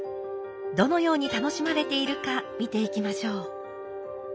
どのように楽しまれているか見ていきましょう。